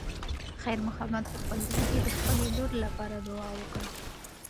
خیر محمد په خپل زړه کې د خپلې لور لپاره دعا وکړه.